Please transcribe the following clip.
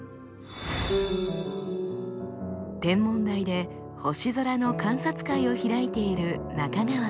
天文台で星空の観察会を開いている中川さん。